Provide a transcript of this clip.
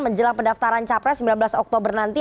menjelang pendaftaran capres sembilan belas oktober nanti